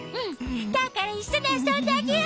だからいっしょにあそんであげよう！